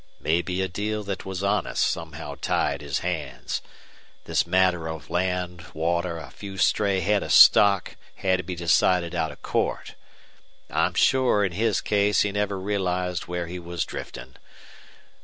Maybe a deal that was honest somehow tied his hands. This matter of land, water, a few stray head of stock had to be decided out of court. I'm sure in his case he never realized where he was drifting.